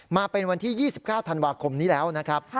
มาเป็นวันที่๒๙ธันวาคมนี้แล้วนะครับ